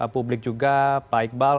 publik juga pak iqbal